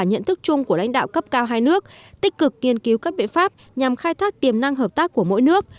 nhận thức chung của lãnh đạo cấp cao hai nước tích cực nghiên cứu các biện pháp nhằm khai thác tiềm năng hợp tác của mỗi nước